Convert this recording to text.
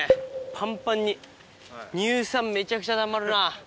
パンパンに乳酸めちゃくちゃたまるな。